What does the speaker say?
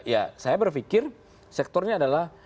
ya saya berpikir sektornya adalah